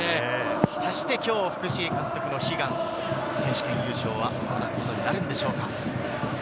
果たして今日、福重監督の悲願、選手権優勝を果たすことになるんでしょうか。